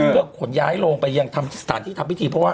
เพื่อขนย้ายลงไปยังทำสถานที่ทำพิธีเพราะว่า